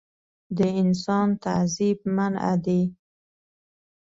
د انسان تعذیب منعه دی.